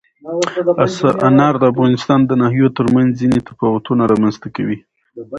انار د افغانستان د ناحیو ترمنځ ځینې تفاوتونه رامنځ ته کوي.